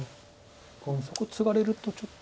そこツガれるとちょっと。